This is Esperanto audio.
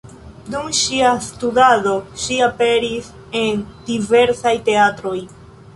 Dum ŝia studado ŝi aperis en diversaj teatroj.